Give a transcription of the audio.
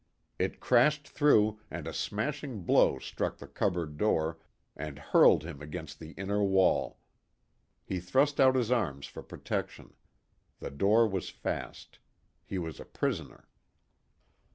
It crashed through, and a smashing blow struck the cupboard door and hurled him against the inner wall. He thrust out his arms for protection. The door was fast. He was a prisoner.